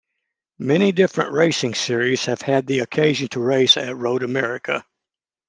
Many different racing series have had the occasion to race at Road America.